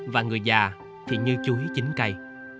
và người già thì như chuối chín cây